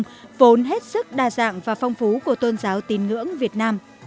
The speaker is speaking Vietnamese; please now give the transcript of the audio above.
đạo mẫu đã phát triển hết sức đa dạng và phong phú của tôn giáo tín ngưỡng việt nam